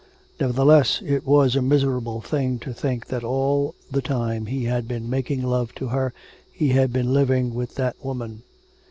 ... Nevertheless, it was a miserable thing to think that all the time he had been making love to her he had been living with that woman.